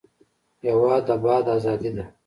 هېواد د باد ازادي ده.